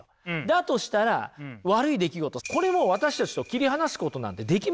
だとしたら悪い出来事これも私たちと切り離すことなんてできます？